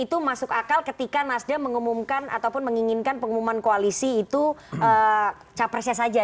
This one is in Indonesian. itu masuk akal ketika nasdem mengumumkan ataupun menginginkan pengumuman koalisi itu capresnya saja